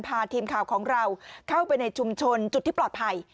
พาทีมข่าวของเราเข้าไปในชุมชนจุดที่ปลอดภัย